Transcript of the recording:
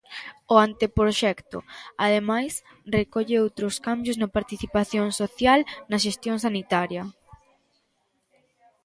O anteproxecto, ademais, recolle outros cambios na participación social na xestión sanitaria.